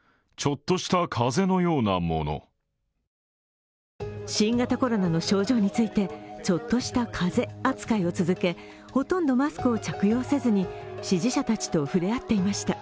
そして新型コロナの症状について、ちょっとした風邪扱いを続け、ほとんどマスクを着用せずに支持者たちと触れ合っていました。